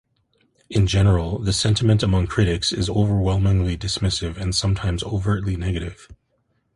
In general, the sentiment among "critics" is overwhelmingly dismissive and some times overtly negative.